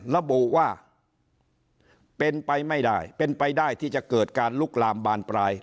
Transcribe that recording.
ระบุว่าเป็นไปไม่ได้เป็นไปได้ที่จะเกิดการลุกลามบานปลาย